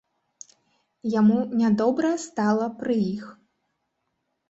Яму нядобра стала пры іх.